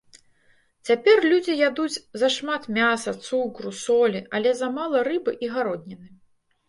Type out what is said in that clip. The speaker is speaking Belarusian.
Цяпер людзі ядуць зашмат мяса, цукру, солі, але замала рыбы і гародніны.